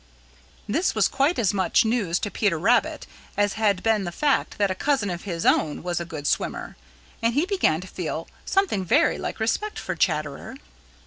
This was quite as much news to Peter Rabbit as had been the fact that a cousin of his own was a good swimmer, and he began to feel something very like respect for Chatterer.